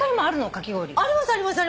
かき氷。ありますあります。